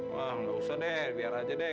wah nggak usah deh biar aja deh